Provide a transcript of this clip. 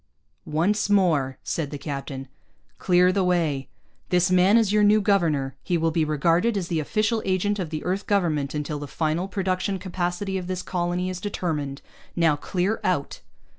"Once more," said the captain, "clear the way. This man is your new governor. He will be regarded as the official agent of the Earth Government until the final production capacity of this colony is determined. Now clear out."